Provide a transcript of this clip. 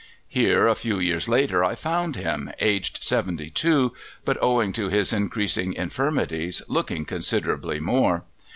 Here a few years later I found him, aged seventy two, but owing to his increasing infirmities looking considerably more.